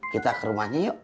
kita ke rumahnya yuk